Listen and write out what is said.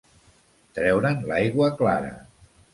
Treure'n l'aigua clara.